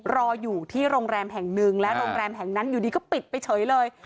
รออยู่ที่โรงแรมแห่งหนึ่งและโรงแรมแห่งนั้นอยู่ดีก็ปิดไปเฉยเลย